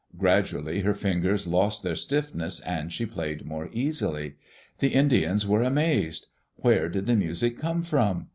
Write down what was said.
Gradually her fingers lost their stiffness and she played more easily. The Indians were amazed. Where did the music come from?